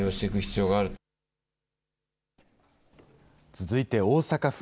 続いて大阪府。